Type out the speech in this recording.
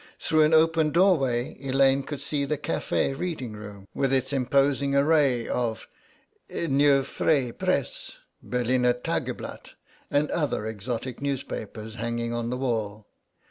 Through an open doorway Elaine could see the café reading room, with its imposing array of Neue Freie Presse, Berliner Tageblatt, and other exotic newspapers hanging on the wall.